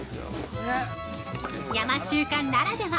◆山中華ならでは！